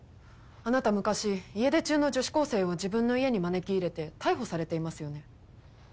あなた昔家出中の女子高生を自分の家に招き入れて逮捕されていますよね？